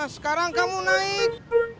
sekarang kamu naik